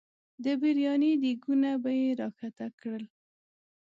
د برياني دیګونه به یې راښکته کړل.